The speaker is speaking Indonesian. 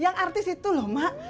yang artis itu loh mak